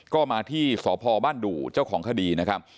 ก็มาที่สพบ้านดู่เจ้าของคดีนะครับ